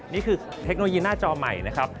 เทคโนโลยีหน้าจอใหม่นะครับ